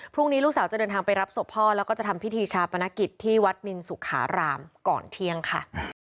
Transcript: ลูกสาวจะเดินทางไปรับศพพ่อแล้วก็จะทำพิธีชาปนกิจที่วัดนินสุขารามก่อนเที่ยงค่ะ